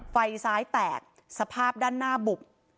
ไฟซ้ายแตกสภาพด้านหน้าบุบ